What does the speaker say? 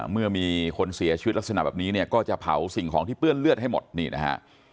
เมื่อมีคนเสียชีวิตลักษณะแบบนี้เนี่ยก็จะเผาสิ่งของที่เปื้อนเลือดให้หมดนี่นะฮะ